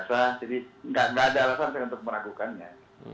jadi nggak ada alasan saya untuk meragukannya